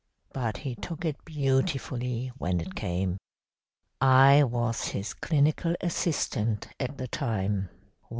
But he took it beautifully when it came. "I was his clinical assistant at the time.